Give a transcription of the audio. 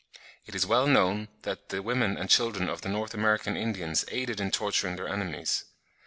It is well known that the women and children of the North American Indians aided in torturing their enemies.